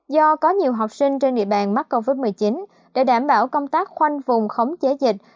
do có nhiều học sinh trên địa bàn mắc covid một mươi chín để đảm bảo công tác khoanh vùng khống chế dịch